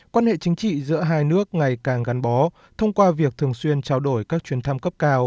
quan hệ chính trị giữa hai nước ngày càng gắn bó thông qua việc thường xuyên trao đổi các chuyến thăm cấp cao